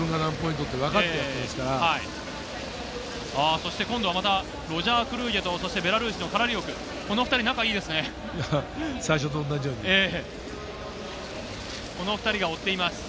そして今度はまたロジャー・クルイエと、そしてベラルーシのカラリオク、この２人、仲いいですね。